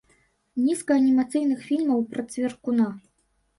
Нізка анімацыйных фільмаў пра цвыркуна.